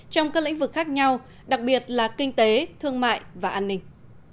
trong các lĩnh vực khác nhau đặc biệt là kinh tế thương mại và an ninh